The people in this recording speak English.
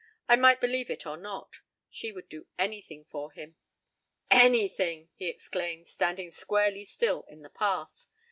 I might believe it or not. She would do anything for him. "Anything!" he exclaimed, standing squarely still in the path.